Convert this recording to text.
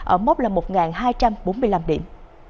ở mốc là một hai trăm bốn mươi năm điểm